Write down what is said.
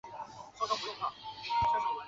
而禾寮港街属镇北坊。